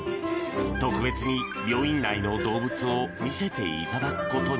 特別に、病院内の動物を見せていただくことに。